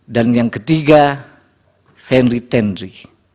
dan yang ketiga fenri tendri